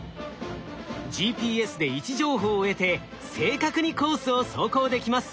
ＧＰＳで位置情報を得て正確にコースを走行できます。